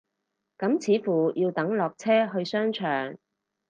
咁似乎要等落車去商場